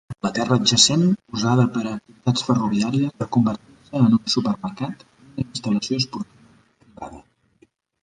La terra adjacent usada per a activitats ferroviàries va convertir-se en un supermercat i una instal·lació esportiva privada.